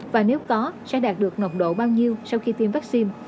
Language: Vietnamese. và nếu có sẽ đạt được ngộc độ bao nhiêu sau khi tiêm vaccine